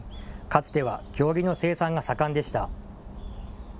かつては経木の生産が盛んでした。